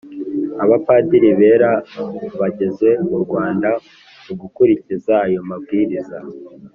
Abapadiri bera bageze mu Rwanda, mu gukurikiza ayo mabwiriza